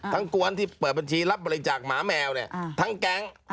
กวนที่เปิดบัญชีรับบริจาคหมาแมวทั้งแก๊ง